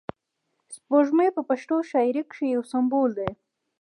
سپوږمۍ په پښتو شاعري کښي یو سمبول دئ.